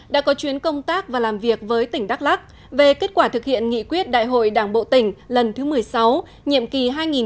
đã có chuyến công tác và làm việc với tỉnh đắk lắc về kết quả thực hiện nghị quyết đại hội đảng bộ tỉnh lần thứ một mươi sáu nhiệm kỳ hai nghìn một mươi năm hai nghìn hai mươi